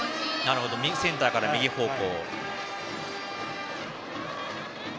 センターから右方向。